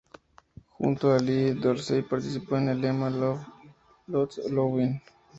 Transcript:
Junto a Lee Dorsey participó en el tema "Love Lots of Lovin'".